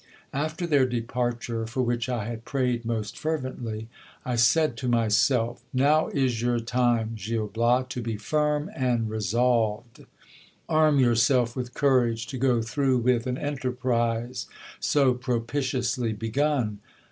After their departure, for which I had prayed most fervently, I said to myself : Now is your time, Gil Bias, to be firm and resolved. Arm yourself with courage to go through with an enterprise so propitiously begun.